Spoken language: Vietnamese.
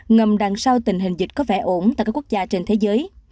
ngầm đằng sau tình hình dịch có vẻ ổn tại các quốc gia trên thế giới